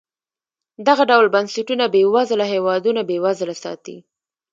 دغه ډول بنسټونه بېوزله هېوادونه بېوزله ساتي.